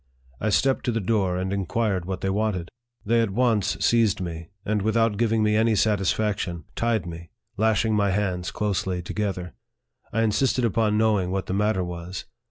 I stepped to the door, and inquired what they wanted. They at once seized me, and, without giving me any satisfaction, tied me lashing my hands closely together. I insisted upon knowing what the matter was.